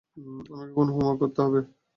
আমাকে এখন হোমওয়ার্ক করতে হবে, বাই।